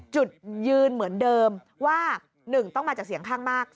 จุดยืนเหมือนเดิมว่า๑ต้องมาจากเสียงข้างมาก